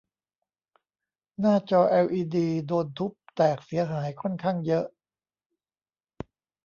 หน้าจอแอลอีดีโดนทุบแตกเสียหายค่อนข้างเยอะ